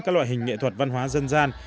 các loại hình nghệ thuật văn hóa dân gian